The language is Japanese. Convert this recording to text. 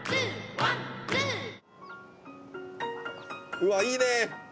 うわっいいね！